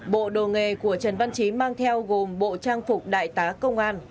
bộ đồ nghề của trần văn trí mang theo gồm bộ trang phục đại tá công an